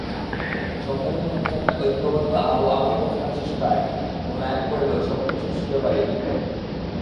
সম্মেলন মঞ্চ একটা ঐক্যবদ্ধ আবহ রচনার চেষ্টা মুলায়ম করলেও সবকিছু সুরে বাজেনি।